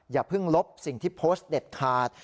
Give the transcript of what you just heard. อย่าเพิ่งลบสิ่งที่โพสต์เด็ดขาด